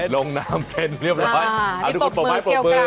ลงน้ำเข็นเรียบร้อย